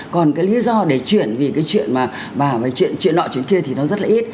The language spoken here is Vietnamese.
còn cái lý do để chuyển vì cái chuyện mà bà chuyện nọ chuyện kia thì nó rất là ít